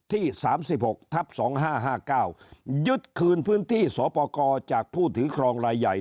ที่๓๖ทับ๒๕๕๙ยึดคืนพื้นที่สปกรจากผู้ถือครองรายใหญ่